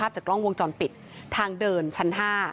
จากกล้องวงจรปิดทางเดินชั้น๕